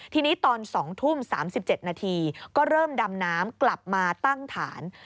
ทีนี้ตอน๒ทุ่ม๓๗นาทีก็เริ่มดำน้ำกลับมาตั้งฐาน